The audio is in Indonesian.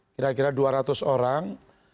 kira kira dua ratus orang